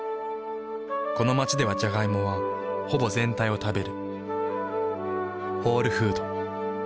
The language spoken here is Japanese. この街ではジャガイモはほぼ全体を食べる。